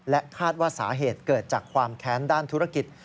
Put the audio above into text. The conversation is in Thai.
คาดว่าสาเหตุเกิดจากความแค้นด้านธุรกิจ